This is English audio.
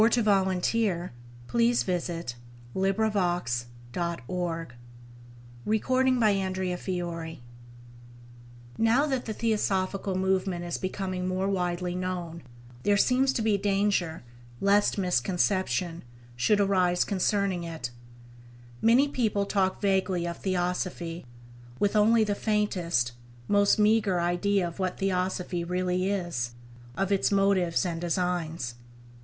W. as published in "Theosophical Siftings" Volume 2 1889 1890 Now that the Theosophical movement is becoming more widely known, there seems to be danger lest misconception should arise concerning it. Many people talk vaguely of Theosophy, with only the faintest, most meagre idea of what Theosophy really is, of its motives and designs.